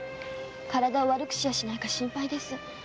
体を悪くしないかと心配です。